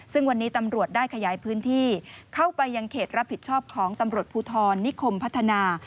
ซึ่งวันนี้ตำรวจได้ขยายพื้นที่เข้าไปยังเขตรับผิดชอบของตำรวจภูทรนิคมพัฒนา